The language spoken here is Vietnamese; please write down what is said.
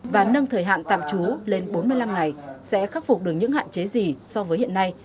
và nâng thời hạn tạm trú lên bốn mươi năm ngày sẽ khắc phục được những hạn chế gì so với hiện nay